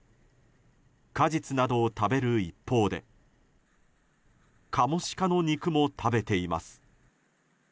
果実などを食べる一方でカモシカの肉も食べています。